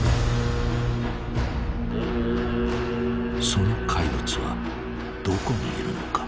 その怪物はどこにいるのか？